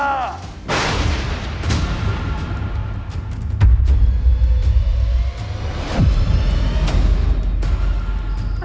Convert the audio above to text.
jangan kau tipu aku dengan permainan asmara